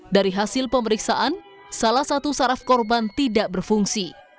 dari hasil pemeriksaan salah satu saraf korban tidak berfungsi